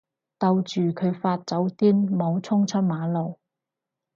逗住佢發酒癲唔好衝出馬路